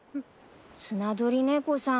スナドリネコさん。